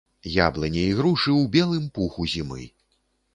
Яблыні і грушы ў белым пуху зімы.